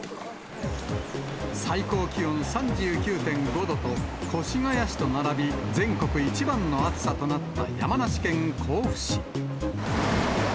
最高気温３９．５度と越谷市と並び、全国一番の暑さとなった山梨県甲府市。